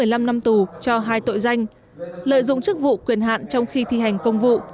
một mươi hai một mươi năm năm tù cho hai tội danh lợi dụng chức vụ quyền hạn trong khi thi hành công vụ